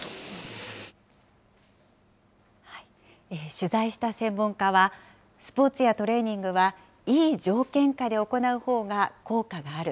取材した専門家は、スポーツやトレーニングは、いい条件下で行うほうが効果がある。